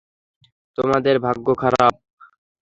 তোমাদের ভাগ্য খারাপ।